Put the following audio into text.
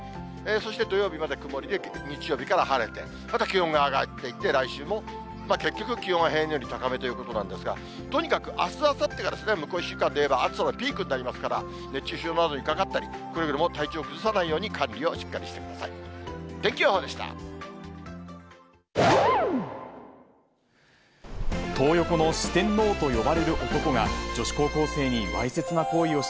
そして土曜日まで曇りで日曜日から晴れて、また気温が上がっていって、来週も結局、気温が平年より高めということなんですが、とにかくあす、あさってが向こう１週間でいえば暑さのピークになりますから、熱中症などにかかったり、くれぐれも体調を崩さないように、いい毎日もいい笑顔もいい睡眠から整っていく睡眠の深さは私の味方「カルピス」マークの睡眠の質を高める乳酸菌時刻は午後４時１１分。